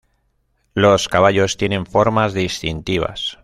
Los caballos tienen formas distintivas.